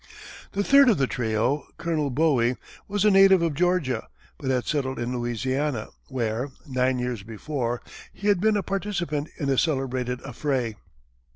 The third of the trio, Colonel Bowie, was a native of Georgia, but had settled in Louisiana, where, nine years before, he had been a participant in a celebrated affray.